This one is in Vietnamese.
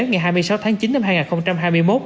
ngày hai mươi sáu tháng chín năm hai nghìn hai mươi một